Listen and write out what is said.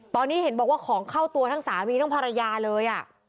ตอนนี้เห็นบอกว่าของเข้าตัวทั้งสามีทั้งภรรยาเลย